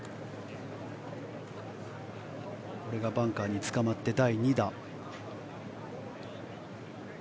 これがバンカーにつかまって第２打。